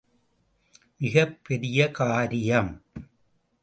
மிகப் பெரிய காரியம்.